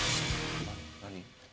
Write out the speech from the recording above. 何？